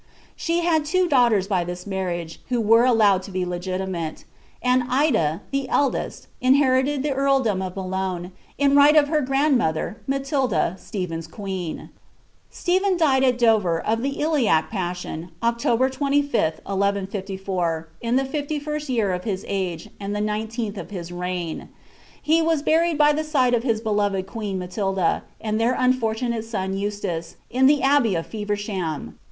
She had two daughters by this marriage, who were allowed to be legitimate ; and Ida, the eldest, inherited the earldom of Boologiie, in right of her grandmother, Matilda, Stephen's queen. Stej^n died at Dover, of the iliac passion, October 25th, 1154, in the fifty first year of his age, and the nineteenth of his reiffu. He was buried by the side of his beloved queen Matilda, and their aaibrtiuiate son Eustace, in the abbey of Feversham.